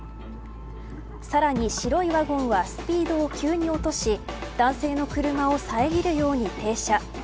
さらに白いワゴンはスピードを急に落とし男性の車を遮るように停車。